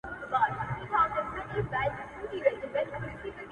o هو داده رشتيا چي وه اسمان ته رسېـدلى يــم ـ